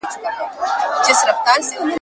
او لا یې هم، په رسنیو کي !.